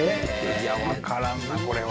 いや分からんなこれは。